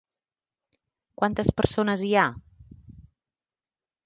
Quantes persones hi ha?